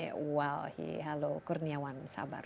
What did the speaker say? ya walhi halo kurniawan sabar